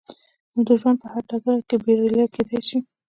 نو د ژوند په هر ډګر کې بريالي کېدای شئ.